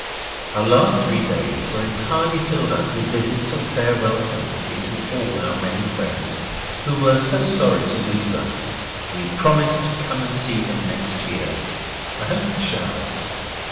Our last three days were entirely filled up with visits of farewell sympathy to all our many friends who were so sorry to lose us. We promised to come and see them next year. I hope we shall.